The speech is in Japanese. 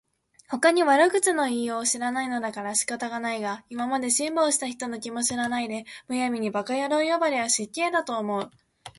ほかに悪口の言いようを知らないのだから仕方がないが、今まで辛抱した人の気も知らないで、無闇に馬鹿野郎呼ばわりは失敬だと思う